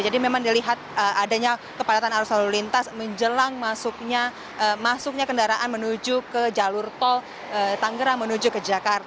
jadi memang dilihat adanya kepadatan arus lalu lintas menjelang masuknya kendaraan menuju ke jalur tol tangerang menuju ke jakarta